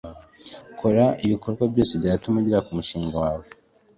kora ibikorwa byose byatuma ugera kumugisha wawe